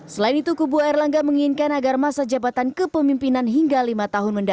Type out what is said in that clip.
selain itu kubu erlangga menginginkan agar masa jabatan kepemimpinan hingga lima tahun mendatang